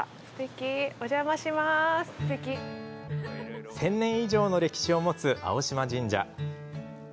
１０００年以上の歴史を持つ青島神社。